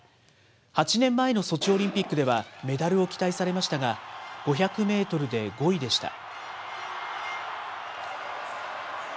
８年前のソチオリンピックではメダルを期待されましたが、５００メートルで５位でした。